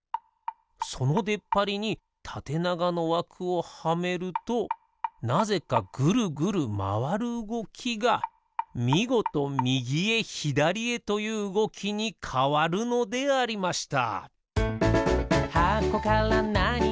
そのでっぱりにたてながのわくをはめるとなぜかぐるぐるまわるうごきがみごとみぎへひだりへといううごきにかわるのでありました。